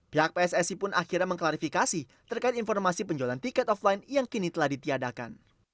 pihak pssi pun akhirnya mengklarifikasi terkait informasi penjualan tiket offline yang kini telah ditiadakan